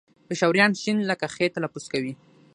پېښوريان ښ لکه خ تلفظ کوي